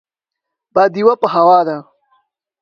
باديوه په هوا ده.